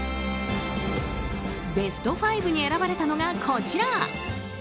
ベスト５に選ばれたのがこちら。